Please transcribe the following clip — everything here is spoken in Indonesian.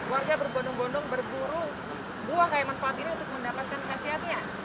warga berbondong bondong berburu buah kaya manfaat ini untuk mendapatkan nasihatnya